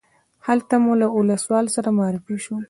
هلته مو له ولسوال سره معرفي شوو.